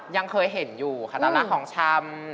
ยังเคยเห็นอยู่ค่ะตอนนี้ของชำ